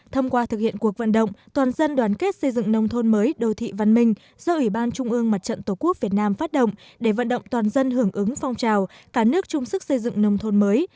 thông qua thực hiện cuộc vận động toàn dân đoàn kết xây dựng nông thôn mới đô thị văn minh do ủy ban trung ương mặt trận tổ quốc việt nam phát động để vận động toàn dân hưởng ứng phong trào cả nước chung sức xây dựng nông thôn mới